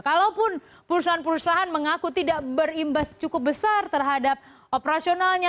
kalaupun perusahaan perusahaan mengaku tidak berimbas cukup besar terhadap operasionalnya